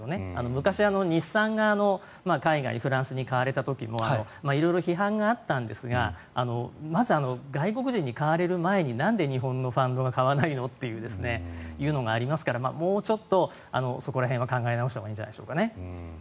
昔、日産が海外、フランスに買われた時も色々批判があったんですがまず、外国人に買われる前になんで日本のファンドが買わないの？というのがありますから、もうちょっとそこら辺は考え直したほうがいいんじゃないでしょうか。